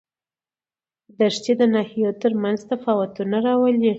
دښتې د ناحیو ترمنځ تفاوتونه راولي.